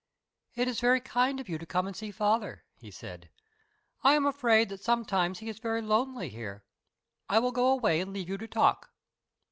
"It is very kind of you to come and see father," he said. "I am afraid that sometimes he is very lonely here. I will go away and leave you to talk."